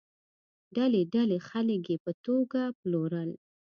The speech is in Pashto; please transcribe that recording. ډلې ډلې خلک یې په توګه پلورل.